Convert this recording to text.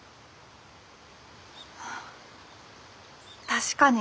確かに。